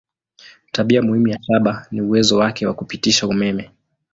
Tabia muhimu ya shaba ni uwezo wake wa kupitisha umeme.